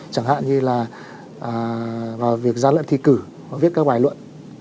chẳng hạn như là vào việc ra luận thi cử viết các bài luận